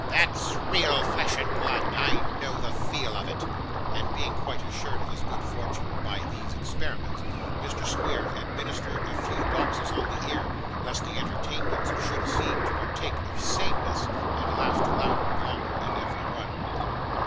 'That's real flesh and blood! I know the feel of it!' and being quite assured of his good fortune by these experiments, Mr. Squeers administered a few boxes on the ear, lest the entertainments should seem to partake of sameness, and laughed louder and longer at every one.